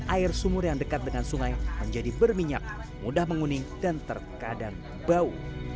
air sumur yang dekat dengan sungai menjadi berminyak mudah menguning dan terkadang bau